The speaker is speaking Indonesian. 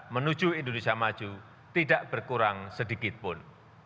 menuju indonesia maju tidak berkurang sedikitpun